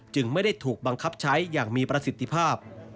จึงไม่ได้ถูกบังคับใช้อย่างมีประสิทธิภาพ